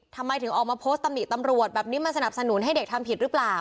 ทำไมถึงออกมาโพสต์ตำหนิตำรวจแบบนี้มาสนับสนุนให้เด็กทำผิดหรือเปล่า